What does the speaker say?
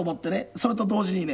それと同時にね